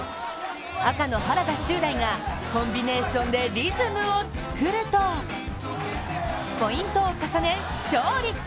赤の原田周大がコンビネーションでリズムを作るとポイントを重ね勝利。